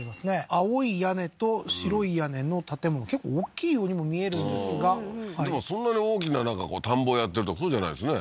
青い屋根と白い屋根の建物結構おっきいようにも見えるんですがでもそんなに大きな田んぼやってるとかそうじゃないんですね